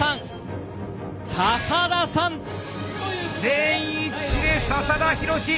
全員一致で笹田裕嗣！